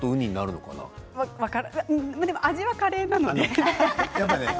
でも味はカレーなので。